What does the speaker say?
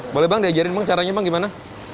boleh bang diajarin caranya gimana